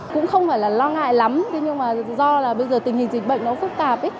cũng không phải là lo ngại lắm thế nhưng mà do là bây giờ tình hình dịch bệnh nó phức tạp